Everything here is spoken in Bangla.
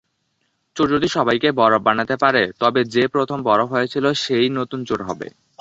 চোর যদি সবাইকে বরফ বানাতে পারে, তবে যে প্রথম বরফ হয়েছিলো সেই নতুন চোর হবে।